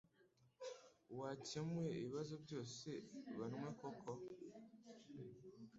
Wakemuye ibibazo byose banwe koko